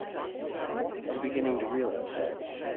I'm beginning to realize that.